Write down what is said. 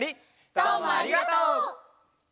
どうもありがとう！